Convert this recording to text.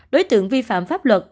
đối tượng vi phạm pháp luật